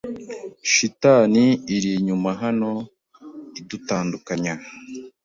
Shitani iri inyuma hano idutandukanya